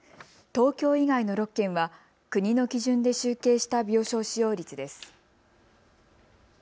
東京以外の６県は国の基準で集計した病床使用率です。